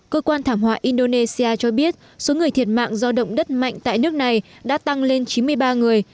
cơ quan thảm họa indonesia cho biết số người thiệt mạng do động đất mạnh tại nước này đã tăng lên chín mươi ba người